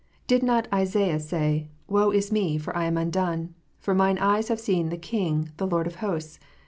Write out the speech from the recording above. Did not Isaiah say, " Woe is me, for I am undone : for mine eyes have seen the King, the Lord of hosts